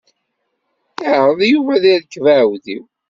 Iɛreḍ Yuba ad irkeb aɛewdiw.